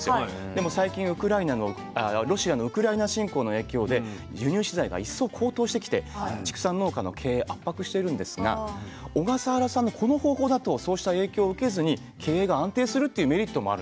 でも最近ロシアのウクライナ侵攻の影響で輸入飼料が一層高騰してきて畜産農家の経営圧迫しているんですが小笠原さんのこの方法だとそうした影響を受けずに経営が安定するっていうメリットもあるんですね。